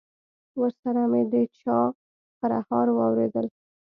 ورسره مې د چا خرهار واورېدل.